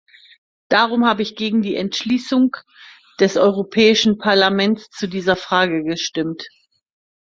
Darum habe ich gegen die Entschließung des Europäischen Parlaments zu dieser Frage gestimmt.